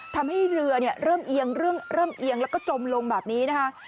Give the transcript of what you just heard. ทำให้เรือเริ่มเอียงเริ่มเอียงแล้วก็จมลงแบบนี้นะคะ